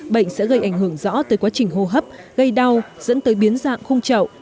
bệnh sẽ gây ảnh hưởng rõ tới quá trình hô hấp gây đau dẫn tới biến dạng khung trậu